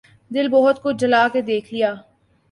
دل بہت کچھ جلا کے دیکھ لیا